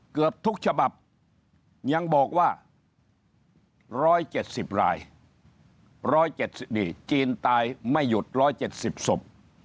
เกือบทุกฉบับยังบอกว่า๑๗๐ราย๑๗จีนตายไม่หยุด๑๗๐ศพ